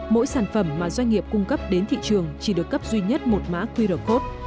mỗi sản phẩm mà doanh nghiệp cung cấp đến thị trường chỉ được cấp duy nhất một mã qr code